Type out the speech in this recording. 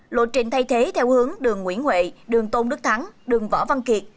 lộ trình thay thế theo hướng đường nguyễn huệ đường tôn đức thắng đường võ văn kiệt